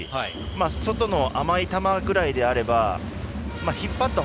外の甘い球ぐらいであれば引っ張って